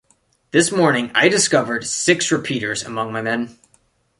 This morning I discovered six repeaters among my men.